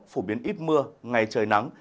phổ biến ít mưa ngày trời nắng